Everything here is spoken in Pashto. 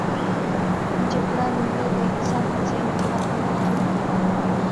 جګړه لومړی د انسان په ذهن کې راپیداکیږي.